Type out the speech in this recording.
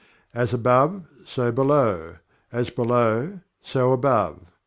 "As above, so below; as below, so above."